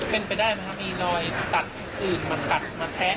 เป็นไปได้ไหมครับมีรอยตัดอื่นมากัดมาแทะ